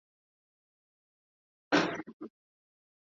যেখানে একই ঘটনায় তার মা উম্মে কুলসুম মারা যান।